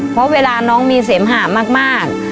เพราะเวลาน้องมีเสมหามาก